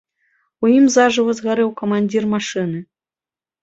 У ім зажыва згарэў камандзір машыны.